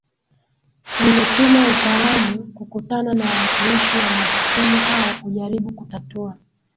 limetuma utalamu kukutana na waakilishi wa mahasimu hao kujaribu kutatua